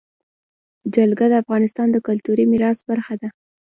جلګه د افغانستان د کلتوري میراث برخه ده.